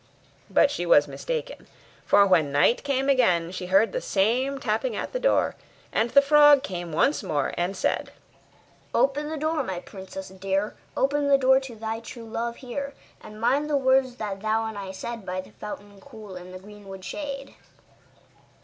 But she was mistaken; for when night came again she heard the same tapping at the door; and the frog came once more, and said: 'Open the door, my princess dear, Open the door to thy true love here! And mind the words that thou and I said By the fountain cool, in the greenwood shade.